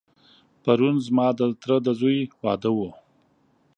پرون ځما دتره دځوی واده و.